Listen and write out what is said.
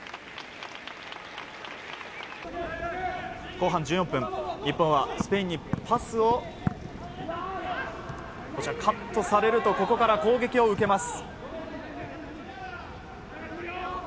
後半１４分、日本はスペインにパスをカットされるとここから攻撃を受けます。